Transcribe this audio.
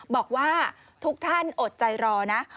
บอกว่าทุกท่านอดใจรอนะ